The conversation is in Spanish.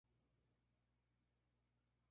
Estos fueron aceptados frecuentemente.